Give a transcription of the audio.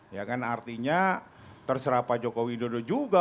ya kan artinya terserah pak jokowi dodo juga